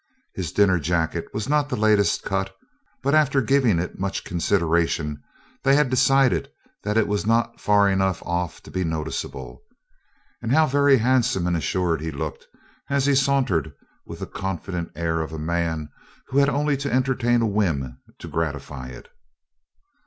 His dinner jacket was not the latest cut, but after giving it much consideration they had decided that it was not far enough off to be noticeable, and how very handsome and assured he looked as he sauntered with the confident air of a man who had only to entertain a whim to gratify it.